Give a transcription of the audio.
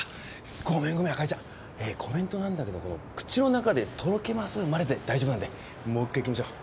ごめんごめんあかりちゃんコメントなんだけどこの「口の中でとろけます」までで大丈夫なんでもう一回いきましょう